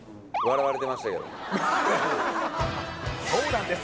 そうなんです